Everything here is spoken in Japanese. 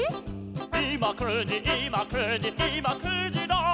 「いま９じいま９じいま９じら」